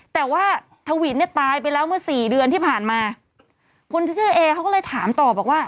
แต่ว่าทวินเนี่ยตายไปแล้วเมื่อสี่เดือนที่ผ่านมาคนที่ชื่อเอเขาก็เลยถามต่อบอกว่า